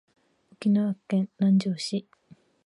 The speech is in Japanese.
沖縄県南城市